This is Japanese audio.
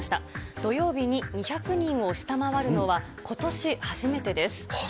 土曜日に２００人を下回るのはことし初めてです。